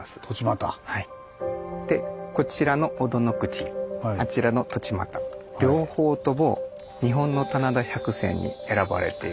でこちらの尾戸の口あちらの栃又両方とも日本の棚田百選に選ばれている棚田なんです。